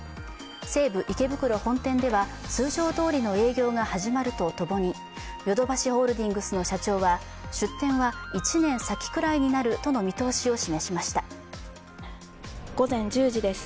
西武池袋本店では通常どおりの営業が始まるとともに、ヨドバシホールディングスの社長は出店は１年先くらいになるとの午前１０時です。